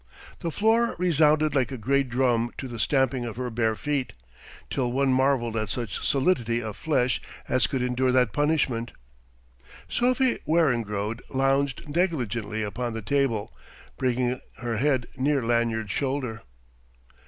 The floor resounded like a great drum to the stamping of her bare feet, till one marvelled at such solidity of flesh as could endure that punishment. Sophie Weringrode lounged negligently upon the table, bringing her head near Lanyard's shoulder.